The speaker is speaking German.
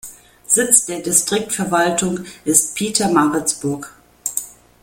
Sitz der Distriktverwaltung ist Pietermaritzburg.